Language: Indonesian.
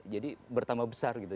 jadi bertambah besar gitu